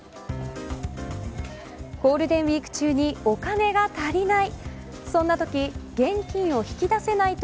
ゴールデンウイーク中にお金が足りない。